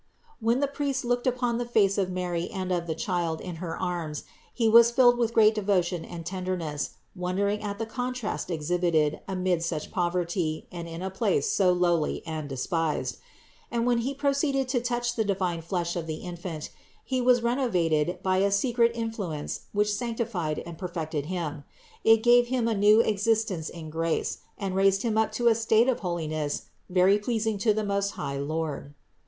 When the priest looked upon the face of Mary and of the Child in her arms he was filled with great devotion and tenderness, wondering at the contrast exhibited amid such poverty and in a place so lowly and despised. And when he proceeded to touch the divine flesh of the Infant, he was renovated by a secret influence which sanctified and perfected him; it gave him a new existence in grace, and raised him up to a state of holi ness very pleasing to the most high Lord.